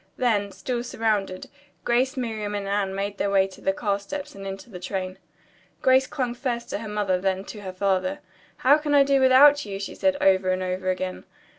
Then, still surrounded, Grace, Miriam and Anne made their way to the car steps and into the train. Grace clung first to her mother then to her father. "How can I do without you?" she said over and over again.